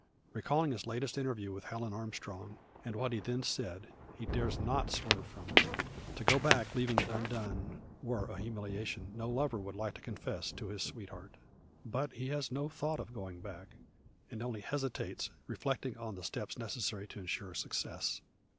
Recalling his latest interview with Helen Armstrong, and what he then said, he dares not swerve from it. To go back leaving it undone, were a humiliation no lover would like to confess to his sweetheart. But he has no thought of going back, and only hesitates, reflecting on the steps necessary to ensure success.